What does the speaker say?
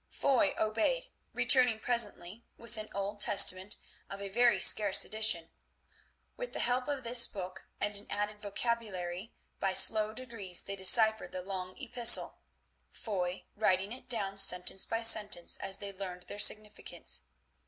Foy obeyed, returning presently with an old Testament of a very scarce edition. With the help of this book and an added vocabulary by slow degrees they deciphered the long epistle, Foy writing it down sentence by sentence as they learned their significance.